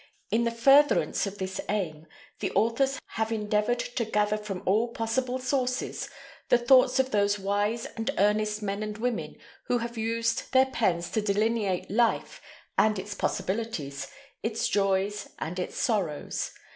In the furtherance of this aim the authors have endeavored to gather from all possible sources the thoughts of those wise and earnest men and women who have used their pens to delineate life and its possibilities, its joys and its sorrows.